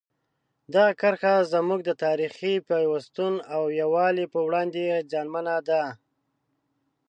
دغه کرښه زموږ د تاریخي پیوستون او یووالي په وړاندې زیانمنه ده.